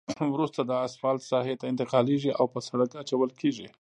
وروسته دا اسفالټ ساحې ته انتقالیږي او په سرک اچول کیږي